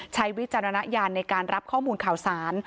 วิจารณญาณในการรับข้อมูลข่าวสาร